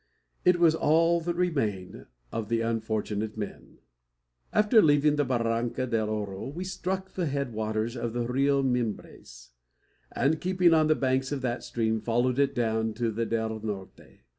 It was all that remained of the unfortunate men. After leaving the Barranca del Oro, we struck the head waters of the Rio Mimbres; and, keeping on the banks of that stream, followed it down to the Del Norte.